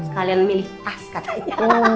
kalian milih tas katanya